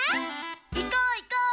いこういこう！